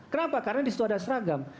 kenapa karena di situ ada seragam